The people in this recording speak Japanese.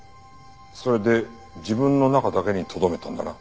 それで自分の中だけにとどめたんだな。